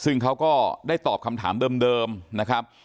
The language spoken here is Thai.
ซึ่งเขาก็ได้ตอบคำถามเดิมนะครับ